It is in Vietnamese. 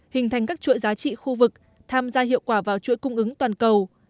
hình thành các chuỗi giá trị khu vực tham gia hiệu quả vào chuỗi cung ứng toàn cầu